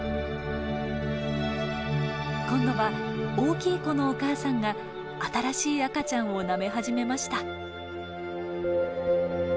今度は大きい子のお母さんが新しい赤ちゃんをなめ始めました。